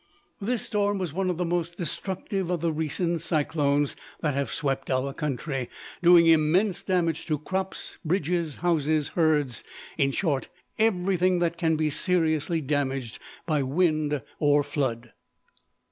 This storm was one of the most destructive of the recent cyclones that have swept our country, doing immense damage to crops, bridges, houses, herds in short, everything that can be seriously damaged by wind or flood.